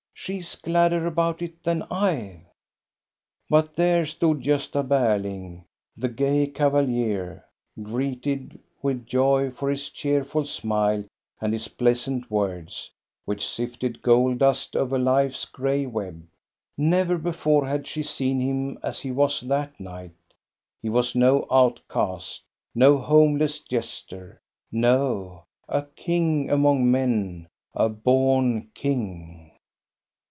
" She is gladder about it than I." But there stood Gosta Berling, the gay cavalier, greeted with joy for his cheerful smile and his pleas ant words, which sifted gold dust over life's gray web. Never before had she seen him as he was that night. He was no outcast, no homeless jester; no, a king among men, a born king.